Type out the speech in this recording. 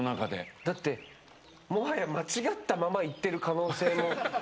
だって、もはや間違ったままいっている可能性も。